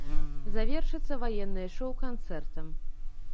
Завершыцца ваеннае шоу канцэртам.